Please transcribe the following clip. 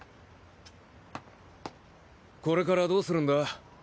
これからどうするんだ？